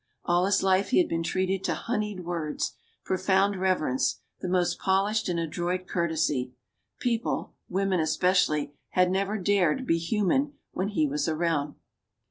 All his life he had been treated to honeyed words, pro found reverence, the most polished and adroit courtesy. People women especially had never dared be human when he was around.